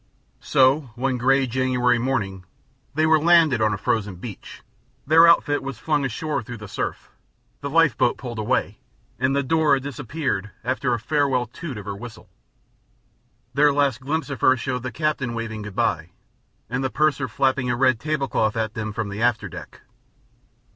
So, one gray January morning they were landed on a frozen beach, their outfit was flung ashore through the surf, the lifeboat pulled away, and the Dora disappeared after a farewell toot of her whistle. Their last glimpse of her showed the captain waving good by and the purser flapping a red tablecloth at them from the after deck.